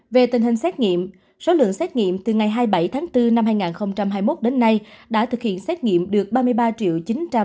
về tình hình xét nghiệm số lượng xét nghiệm từ ngày hai mươi bảy tháng bốn năm hai nghìn hai mươi một đến nay đã thực hiện xét nghiệm được ba mươi ba chín trăm chín mươi bốn sáu trăm bốn mươi năm mẫu